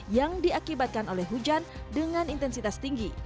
yang diakibatkan oleh hujan dengan intensitas tinggi